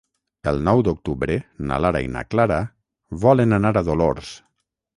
El nou d'octubre na Lara i na Clara volen anar a Dolors.